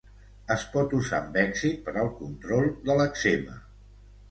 Es pot usar amb èxit per al control de l'èczema.